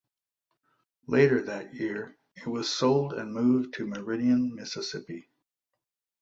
Later that year, it was sold and moved to Meridian, Mississippi.